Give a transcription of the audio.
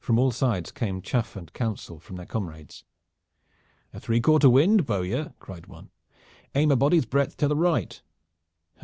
From all sides came chaff and counsel from their comrades. "A three quarter wind, bowyer!" cried one. "Aim a body's breadth to the right!"